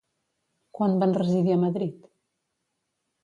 Quan van residir a Madrid?